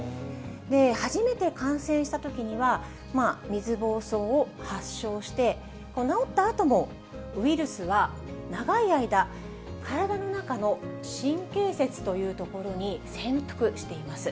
初めて感染したときには、水ぼうそうを発症して、治ったあとも、ウイルスは長い間、体の中の神経節という所に潜伏しています。